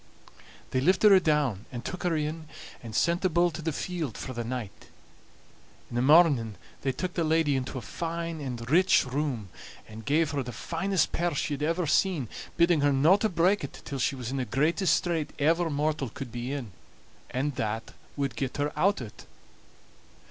They lifted her down and took her in, and sent the bull to the field for the night. In the morning they took the lady into a fine and rich room, and gave her the finest pear she had ever seen, bidding her no to break it till she was in the greatest strait ever mortal could be in, and that wad get her out o't.